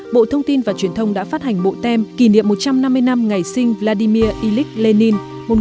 bộ tem kỷ niệm một trăm năm mươi năm ngày sinh vladimir ilyich lenin một nghìn tám trăm bảy mươi một nghìn chín trăm hai mươi bốn